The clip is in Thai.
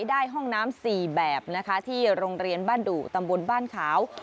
ห้องน้ำ๔แบบนะคะที่โรงเรียนบ้านดุตำบลบ้านขาว